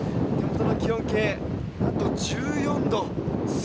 手元の気温計、なんと１４度。